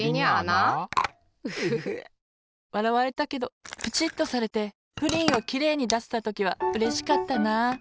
フフフ！わらわれたけどプチッとされてプリンをきれいにだせたときはうれしかったな。